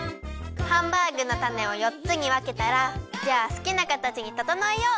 ハンバーグのたねを４つにわけたらじゃあすきなかたちにととのえよう！